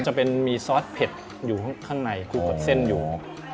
จะมีซอสเผ็ดอยู่ข้างในครูกดเส้นอยู่